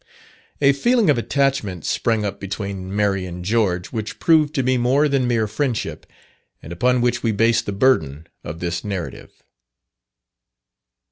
A feeling of attachment sprang up between Mary and George, which proved to be more than mere friendship, and upon which we base the burden of this narrative.